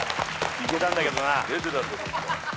いけたんだけどな。